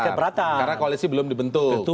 karena koalisi belum dibentuk